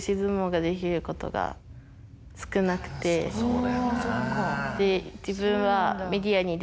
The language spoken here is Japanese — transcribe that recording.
そうだよな。